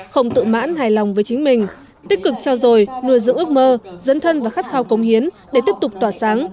không tự mãn hài lòng với chính mình tích cực trao dồi nuôi giữ ước mơ dẫn thân và khát khao cống hiến để tiếp tục tỏa sáng